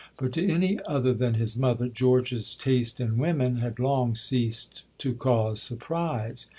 But to any other than his mother, George's taste in women had long ceased to cause surprise.